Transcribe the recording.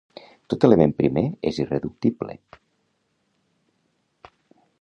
Tot element primer és irreductible.